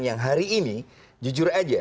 yang hari ini jujur aja